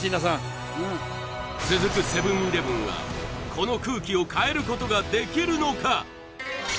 セブン−イレブンはこの空気を変えることができるのか？